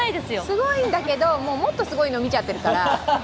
すごいんだけど、もっとすごいの見ちゃってるから。